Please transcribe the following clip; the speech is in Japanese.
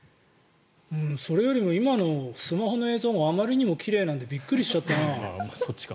それよりも今のスマホの映像があまりにも奇麗なんでびっくりしちゃったな。